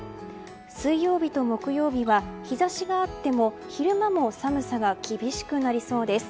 水曜日と木曜日は日差しがあっても昼間も寒さが厳しくなりそうです。